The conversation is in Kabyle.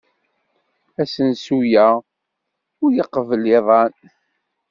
Asensu-a ur iqebbel iḍan.